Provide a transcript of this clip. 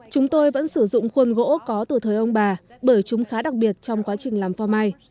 chúng tôi vẫn sử dụng khuôn gỗ có từ thời ông bà bởi chúng khá đặc biệt trong quá trình làm pho mai